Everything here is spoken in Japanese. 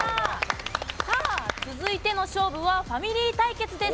続いての勝負はファミリー対決です。